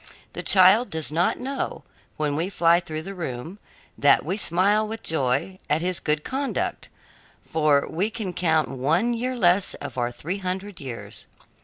The child does not know, when we fly through the room, that we smile with joy at his good conduct for we can count one year less of our three hundred years.